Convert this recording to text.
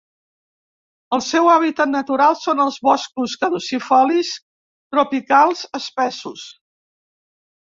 El seu hàbitat natural són els boscos caducifolis tropicals espessos.